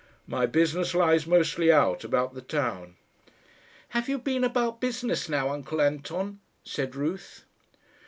"My business lies mostly out, about the town." "Have you been about business now, uncle Anton?" said Ruth.